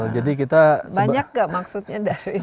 jadi kita banyak nggak maksudnya